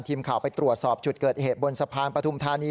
ทีมข่าวไปตรวจสอบจุดเกิดเหตุบนสะพานปฐุมธานี